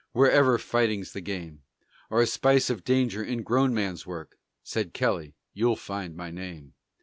"Wherever fighting's the game, Or a spice of danger in grown man's work." Said Kelly, "you'll find my name."